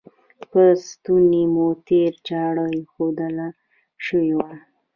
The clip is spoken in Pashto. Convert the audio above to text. پر ستوني مو تیره چاړه ایښودل شوې وه.